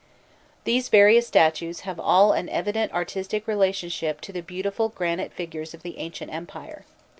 These various statues have all an evident artistic relationship to the beautiful granite figures of the Ancient Empire.